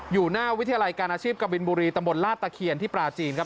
อยู่หน้าวิทยาลัยการอาชีพกบินบุรีตำบลลาดตะเคียนที่ปลาจีนครับ